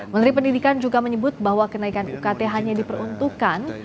menteri pendidikan juga menyebut bahwa kenaikan ukt hanya diperuntukkan